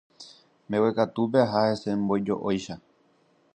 Mbeguekatúpe aha hese mbói jo'óicha.